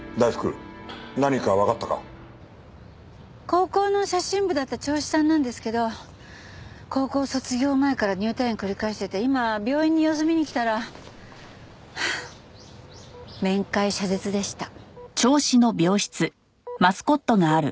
高校の写真部だった銚子さんなんですけど高校卒業前から入退院を繰り返してて今病院に様子見に来たら面会謝絶でした。